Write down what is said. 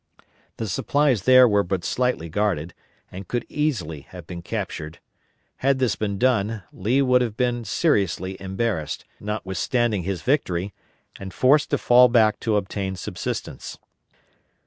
The supplies there were but slightly guarded, and could easily have been captured. Had this been done, Lee would have been seriously embarrassed, notwithstanding his victory, and forced to fall back to obtain subsistence.